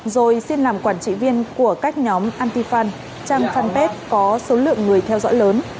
rồi xin làm quản trị viên của các nhóm antifan trang fanpage có số lượng người theo dõi lớn